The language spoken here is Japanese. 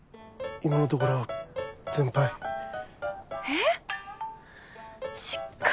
今のところ全敗。